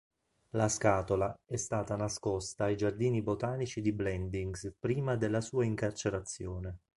La scatola è stata nascosta ai giardini botanici di Blandings prima della sua incarcerazione.